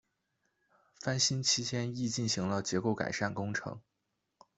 翻新期间亦进行了结构改善工程。